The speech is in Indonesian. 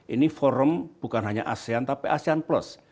ini forum bukan hanya asean tapi asean plus